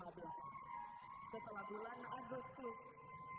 setelah bulan agustus